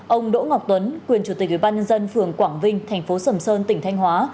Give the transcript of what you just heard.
ông đỗ ngọc tuấn quyền chủ tịch ủy ban nhân dân phường quảng vinh thành phố sầm sơn tỉnh thanh hóa